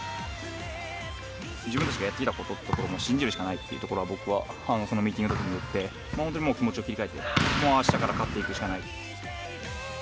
自分たちがやってきたことを信じるしかないというところを僕はそのミーティングのときに言って、本当にもう気持ちを切り替えて、本当にあしたからは勝っていくしかない。